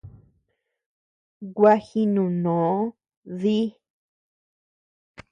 Gua jinuno dí.